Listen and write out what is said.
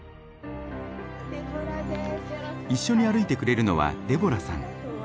一緒に歩いてくれるのはデボラさん。